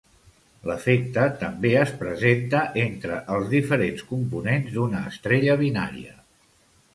L'efecte també es presenta entre els diferents components d'una estrella binària.